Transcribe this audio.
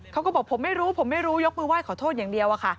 เขาก็บอกผมไม่รู้ยกมือไหว้ขอโทษอย่างเดียว